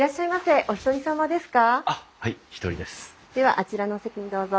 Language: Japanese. ではあちらのお席にどうぞ。